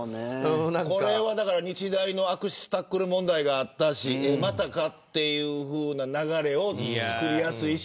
これは日大の悪質タックル問題があったしまたかという流れを作りやすい。